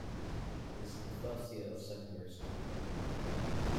This is the first year of secondary school.